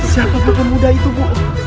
siapa buku muda itu bu